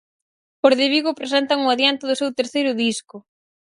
Os de Vigo presentan o adianto do seu terceiro disco.